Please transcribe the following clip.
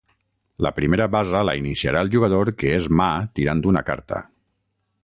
La primera basa la iniciarà el jugador que és mà tirant una carta.